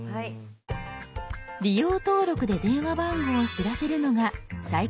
「利用登録」で電話番号を知らせるのが最近の主流。